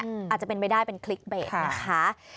อาจจะเป็นไปได้เป็นคลิกเบสนะคะ